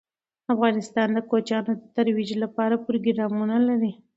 افغانستان د کوچیانو د ترویج لپاره پروګرامونه لري.